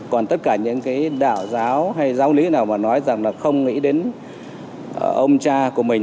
còn tất cả những cái đạo giáo hay giáo lý nào mà nói rằng là không nghĩ đến ông cha của mình